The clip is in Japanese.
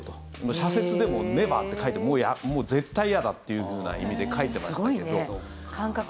社説でも「Ｎｅｖｅｒ」って書いてもう絶対嫌だというふうな意味で書いてましたけど。